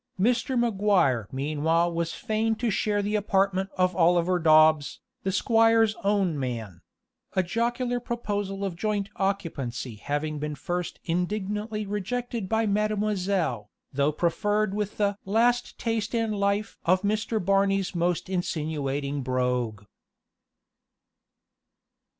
Mr. Maguire meanwhile was fain to share the apartment of Oliver Dobbs, the squire's own man; a jocular proposal of joint occupancy having been first indignantly rejected by "Mademoiselle," though preferred with the "laste taste in life" of Mr. Barney's most insinuating brogue.